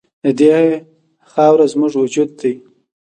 د دې خاوره زموږ وجود دی؟